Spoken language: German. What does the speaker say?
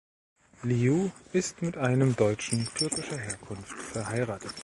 Liu ist mit einem Deutschen türkischer Herkunft verheiratet.